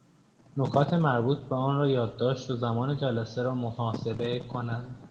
نکات مربوط به آن را یادداشت و زمان جلسه را محاسبه کنند